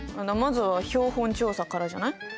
まずは標本調査からじゃない？